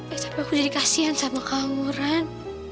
eh tapi aku jadi kasihan sama kamu ran